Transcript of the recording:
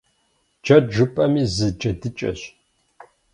Джэд жыпӏэми зы джэдыкӏэщ.